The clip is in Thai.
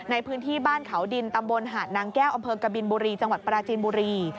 ในพื้นที่บ้านเขาดินตำบลหาดนางแก้วอกบิลบูรีจังหวัดพระราชินบูรี